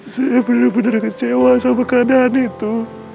saya benar benar kecewa sama keadaan itu